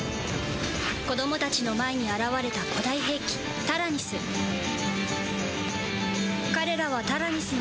子供たちの前に現れた古代兵器タラニス。